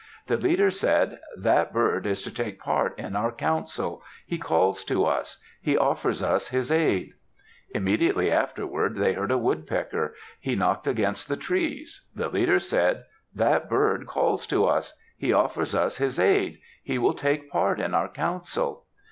The leader said, "That bird is to take part in our council. He calls to us. He offers us his aid." Immediately afterward they heard a woodpecker. He knocked against the trees. The leader said, "That bird calls to us. He offers us his aid. He will take part in our council."